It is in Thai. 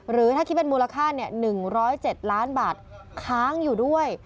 หรือถ้าคิดเป็นมูลค่า๑๐๗ล้านบาทค้างอยู่ด้วย